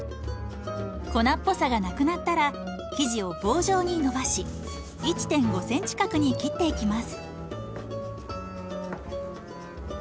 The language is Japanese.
粉っぽさがなくなったら生地を棒状にのばし１．５ｃｍ角に切っていきます。